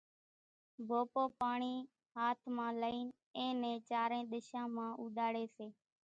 ڀوپوپاڻي ھاٿ مان لئين اين نين چارين ۮشان مان اُوڏاڙي سي